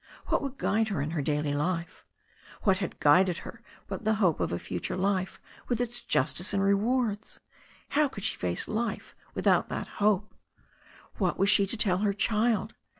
What would guide her in her daily life? What had guided her but that hope of a fu ture life, with its justice and rewards? How could she face life without that hope ? What was she to tell her child?